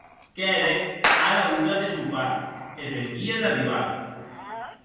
Qu’ère era ora de sopar e venguie d’arribar.